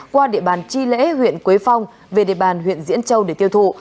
qua địa bàn chi lễ huyện quế phong về địa bàn huyện diễn châu để tiêu thụ